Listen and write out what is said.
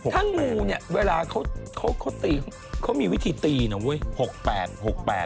ถ้างูเนี่ยเวลาเขาตีเขามีวิธีตีนะเว้ย